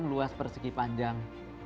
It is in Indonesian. menghitung luas persegi pandang